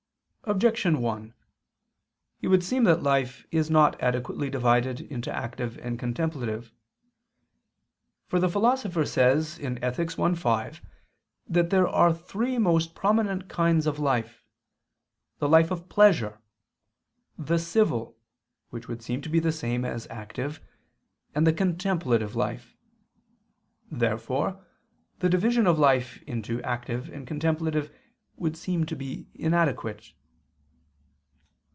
Objection 1: It would seem that life is not adequately divided into active and contemplative. For the Philosopher says (Ethic. i, 5) that there are three most prominent kinds of life, the life of "pleasure," the "civil" which would seem to be the same as the active, and the "contemplative" life. Therefore the division of life into active and contemplative would seem to be inadequate.